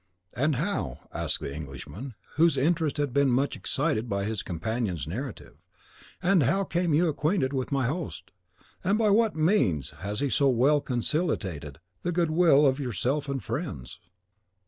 "And how," asked the Englishman, whose interest had been much excited by his companion's narrative, "and how came you acquainted with my host? and by what means has he so well conciliated the goodwill of yourself and friends?"